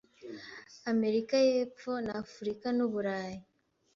Amerika y'epfo nafurikan'Uburayi